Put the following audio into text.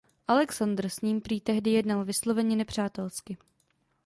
Alexandr s ním prý tehdy jednal vysloveně nepřátelsky.